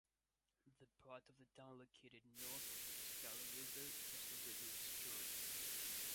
The part of the town located north of the Pescara river was completely destroyed.